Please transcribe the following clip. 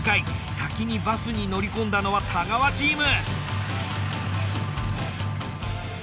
先にバスに乗り込んだのは太川チーム。